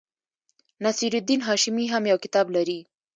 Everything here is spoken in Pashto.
نصیر الدین هاشمي هم یو کتاب لري.